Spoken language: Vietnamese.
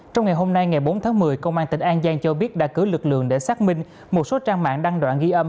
trong ngày hôm nay ngày bốn tháng một mươi công an tỉnh an giang cho biết đã cử lực lượng để xác minh một số trang mạng đăng đoạn ghi âm